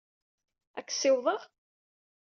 Ad k-ssiwḍeɣ?